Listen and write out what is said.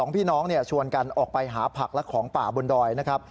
พี่น้องชวนกันออกไปหาผักและของป่าบนดอยนะครับ